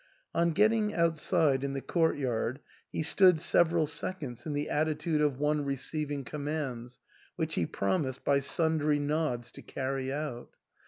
On getting outside in the court yard he stood several seconds in the attitude of one re ceiving commands, which he promised by sundry nods to carry out.